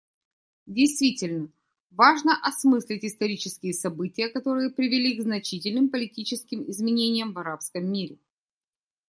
Действительно, важно осмыслить исторические события, которые привели к значительным политическим изменениям в арабском мире.